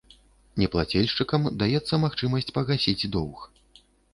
Неплацельшчыкам даецца магчымасць пагасіць доўг.